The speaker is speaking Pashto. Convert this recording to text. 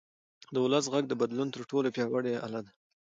د ولس غږ د بدلون تر ټولو پیاوړی اله ده